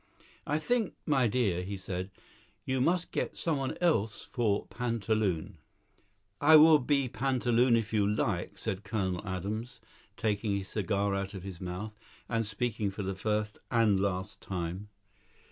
"I think, my dear," he said, "you must get someone else for pantaloon." "I will be pantaloon, if you like," said Colonel Adams, taking his cigar out of his mouth, and speaking for the first and last time.